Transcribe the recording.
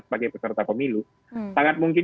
sebagai peserta pemilu sangat mungkin